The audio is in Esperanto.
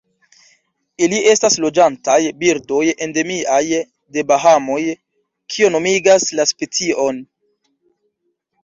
Ili estas loĝantaj birdoj endemiaj de Bahamoj, kio nomigas la specion.